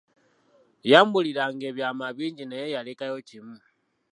Yambulira nga ebyama bingi naye yalekayo kimu.